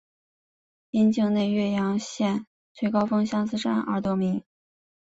因境内岳阳县最高峰相思山而得名。